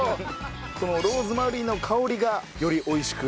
このローズマリーの香りがより美味しく。